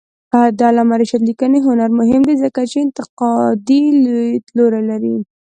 د علامه رشاد لیکنی هنر مهم دی ځکه چې انتقادي لیدلوری لري.